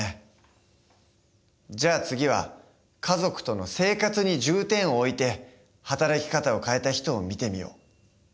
じゃあ次は家族との生活に重点を置いて働き方を変えた人を見てみよう。